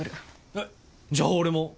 えっじゃあ俺も！